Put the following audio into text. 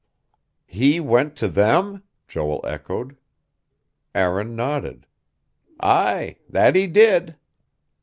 "He went to them?" Joel echoed. Aaron nodded. "Aye. That he did."